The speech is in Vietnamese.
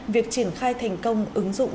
việc triển khai thành công ứng dụng